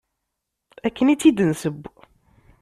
Akken i tt-id-nesseww.